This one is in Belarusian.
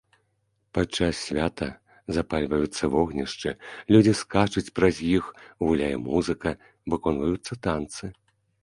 Падчас свята запальваюцца вогнішчы, людзі скачуць праз іх, гуляе музыка, выконваюцца танцы.